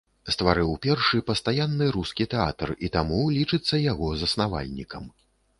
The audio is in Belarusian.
Стварыў першы пастаянны рускі тэатр, і таму лічыцца яго заснавальнікам.